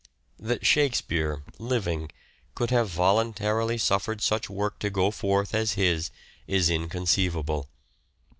That " Shakespeare," living, could have voluntarily suffered such work to go forth as his is inconceivable.